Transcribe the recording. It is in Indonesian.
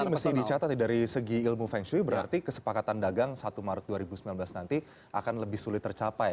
jadi ini mesti dicatat dari segi ilmu feng shui berarti kesepakatan dagang satu maret dua ribu sembilan belas nanti akan lebih sulit tercapai